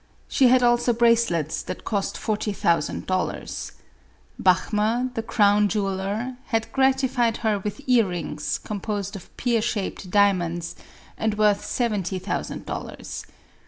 She had also bracelets that cost forty thousand dollars. Bachmer, the crown jewel er, had gratified her with ear rings, composed of pear shaped diamonds, and worth seventy thousand dollars.